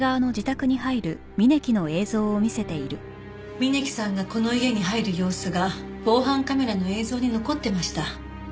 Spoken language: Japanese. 峯木さんがこの家に入る様子が防犯カメラの映像に残ってました。